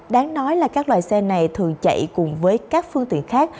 đáng nói là các loại xe này thường chạy cùng với các phương tiện khác